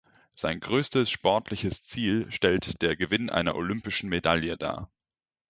Sein größtes sportliches Ziel stellt der Gewinn einer Olympischen Medaille dar.